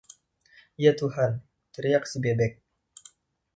“Ya, Tuhan!” teriak si bebek.